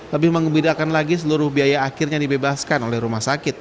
lebih mengembirakan lagi seluruh biaya akhirnya dibebaskan oleh rumah sakit